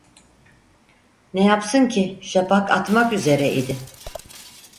Ne yapsın ki şafak atmak üzere idi.